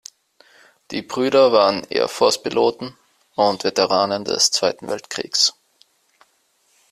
Die Brüder waren Air Force Piloten und Veteranen des Zweiten Weltkriegs.